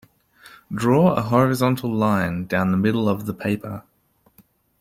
Draw a horizontal line down the middle of the paper.